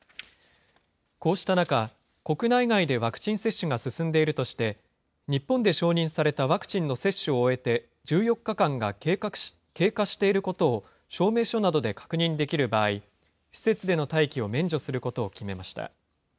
こうした中、国内外でワクチン接種が進んでいるとして、日本で承認されたワクチンの接種を終えて、１４日間が経過していることを証明書などで確認できる場合、施設での待機を免除することを決めました。